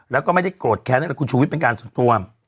แล้วก็ไม่ได้โกรธแค้นอะไรคุณชูวิทย์เป็นการส่วนตัว